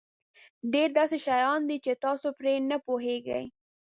ډېر داسې شیان دي چې تاسو پرې نه پوهېږئ.